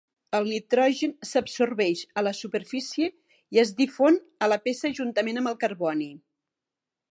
El nitrogen s'absorbeix a la superfície i es difon a la peça juntament amb el carboni.